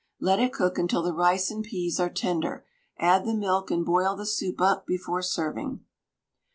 Let it cook until the rice and peas are tender, add the milk and boil the soup up before serving.